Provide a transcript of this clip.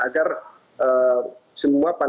agar semua panti didorong untuk lancar